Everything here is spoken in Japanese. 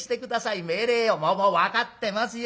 もうもう分かってますよ